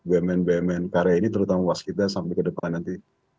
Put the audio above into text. bumn bumn karya ini terutama waskita sampai ke depan nanti